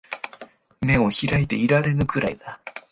眼を開いていられぬくらいだ